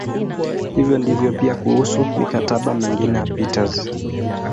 Hivyo ndivyo pia kuhusu "mikataba" mingine ya Peters.